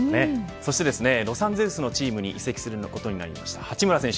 そしてロサンゼルスのチームに移籍することになった八村選手。